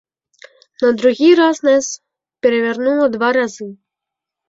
На другі раз нас перавярнула два разы.